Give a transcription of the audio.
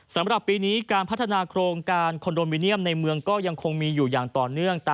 สำหรับปีนี้การพัฒนาโครงการคอนโดมิเนียมในเมืองก็ยังคงมีอยู่อย่างต่อเนื่อง